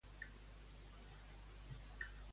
Tothom de Podem l'ha firmat a favor?